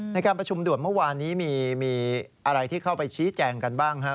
ในการประชุมด่วนเมื่อวานนี้มีอะไรที่เข้าไปชี้แจงกันบ้างฮะ